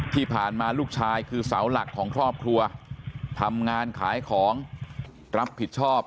ที่ผ่านมาลูกชายคือเสาหลักของครอบครัวทำงานขายของรับผิดชอบ